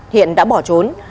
hiện đã bỏ trốn